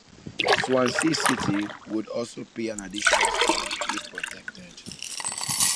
Swansea City would also pay an additional sum if promoted.